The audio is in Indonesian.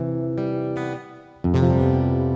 yeah yeah yeah